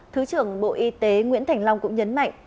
thứ trưởng bộ y tế nguyễn thành long cũng nhấn mạnh